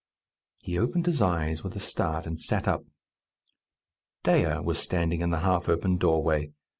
He opened his eyes with a start, and sat up. Dea was standing in the half open doorway.